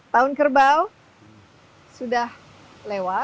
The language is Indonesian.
tahun kerbau sudah lewat